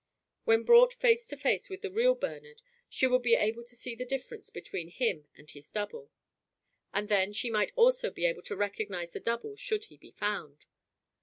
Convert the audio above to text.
When brought face to face with the real Bernard she would be able to see the difference between him and his double. And then she might also be able to recognize the double should he be found.